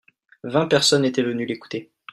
Vingt personnes étaient venues l'écouter.